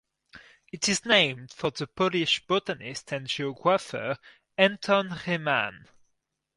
It is named for the Polish botanist and geographer Anton Rehmann.